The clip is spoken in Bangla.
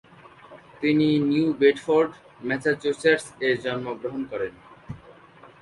তিনি নিউ বেডফোর্ড, ম্যাসাচুসেটস-এ জন্মগ্রহণ করেন।